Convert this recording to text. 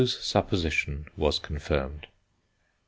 Mayow's supposition was confirmed.